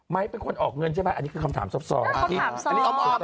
เป็นคนออกเงินใช่ไหมอันนี้คือคำถามซอบ